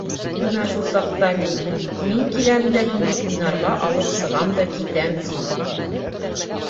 Бына шул саҡта, ни, мин киләм дә һине уйнарға алып сығам да китәм, ти.